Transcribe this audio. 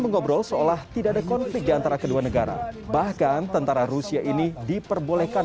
mengobrol seolah tidak ada konflik antara kedua negara bahkan tentara rusia ini diperbolehkan